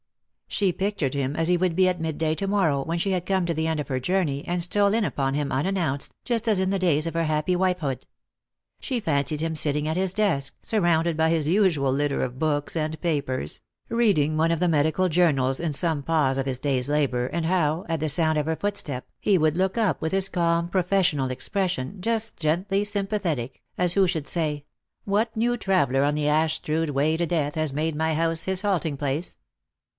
She pictured him as he would be at midday to morrow, when she had come to the end of her journey, and stole in upon him unannounced, just as in the days of her happy wifehood. She fancied him sitting at his desk, surrounded by his usual litter of books and papers, reading one of the medical journals in some pause of his day's labour, and how, at the sound of her footstep, he would look up with his calm professional expression, just gently sympathetic, as who should say, 'What new traveller on the ash strewed way to death has made my house his halting place?"